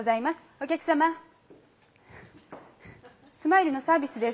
お客様スマイルのサービスです。